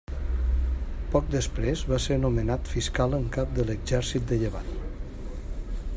Poc després va ser nomenat fiscal en cap de l'exèrcit de Llevant.